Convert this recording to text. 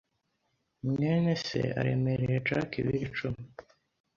mwene se aremereye Jack ibiro icumi.